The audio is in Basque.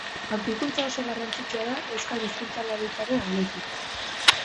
Aurkikuntza oso garrantzitsua da euskal hizkuntzalaritzaren aldetik.